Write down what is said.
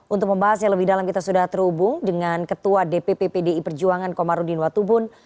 untuk membahas yang lebih dalam kita sudah terhubung dengan ketua dpp pdi perjuangan komarudin watubun